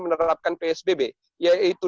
menerapkan psbb yaitu